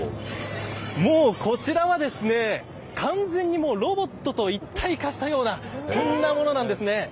こちらはですね、完全にロボットと一体化したようなそんなものなんですね。